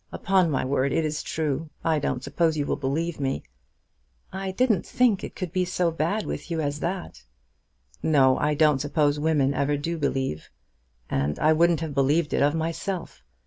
Upon my word it is true. I don't suppose you'll believe me." "I didn't think it could be so bad with you as that." "No; I don't suppose women ever do believe. And I wouldn't have believed it of myself.